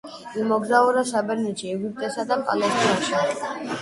იმოგზაურა საბერძნეთში, ეგვიპტესა და პალესტინაში.